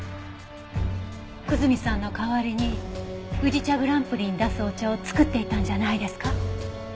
久住さんの代わりに宇治茶グランプリに出すお茶を作っていたんじゃないですか？